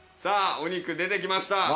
お肉出てきました。